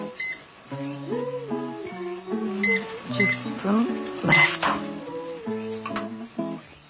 １０分蒸らすと。